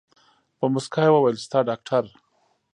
په موسکا يې وويل ستا ډاکتر.